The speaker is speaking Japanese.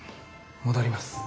戻ります。